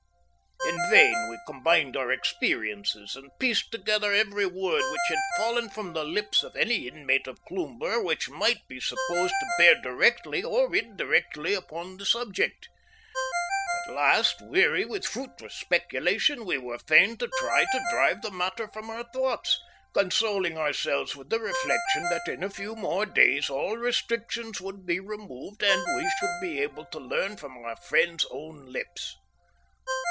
In vain we combined our experiences and pieced together every word which had fallen from the lips of any inmate of Cloomber which might be supposed to bear directly or indirectly upon the subject. At last, weary with fruitless speculation, we were fain to try to drive the matter from our thoughts, consoling ourselves with the reflection that in a few more days all restrictions would be removed, and we should be able to learn from our friends' own lips.